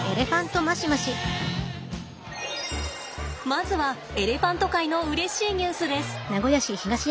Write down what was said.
まずはエレファント界のうれしいニュースです。